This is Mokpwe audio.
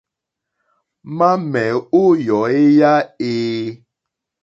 Mamɛ̀ o yɔ̀eyà e?